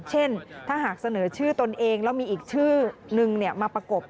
เช่นถ้าหากเสนอชื่อตนเองแล้วมีอีกชื่อนึงมาประกบ